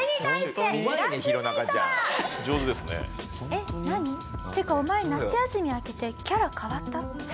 えっ何？ってかお前夏休み明けてキャラ変わった？